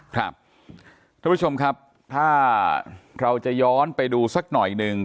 ท่านผู้ชมครับถ้าเราจะย้อนไปดูสักหน่อยหนึ่ง